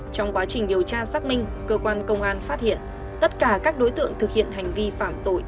trong quá trình điều tra xác minh cơ quan công an phát hiện tất cả các đối tượng thực hiện hành vi phạm tội